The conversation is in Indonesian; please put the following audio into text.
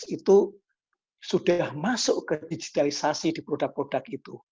itu sudah masuk ke digitalisasi di produk produk itu